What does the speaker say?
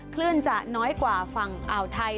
คลื่นจะน้อยกว่าฝั่งอ่าวไทย